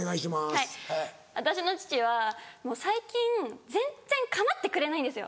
はい私の父は最近全然構ってくれないんですよ。